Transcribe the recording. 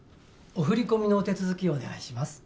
お振り込みのお手続きをお願いします。